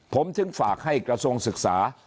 ผมถึงฝากให้กระทรวงศึกษา